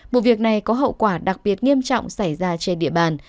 vụ việc này có hậu quả đặc biệt nghiêm trọng xảy ra trên địa bàn